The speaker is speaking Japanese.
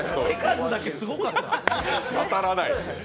当たらない。